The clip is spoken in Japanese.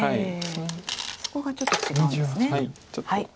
そこがちょっと違うんですね。